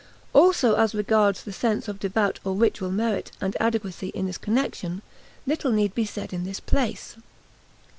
Also as regards the sense of devout or ritual merit and adequacy in this connection, little need be said in this place.